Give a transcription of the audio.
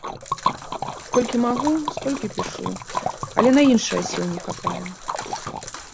Колькі магу, столькі пішу, але на іншае сіл не хапае.